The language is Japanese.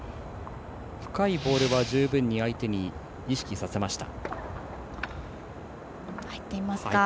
深いボールは十分に相手に意識させました。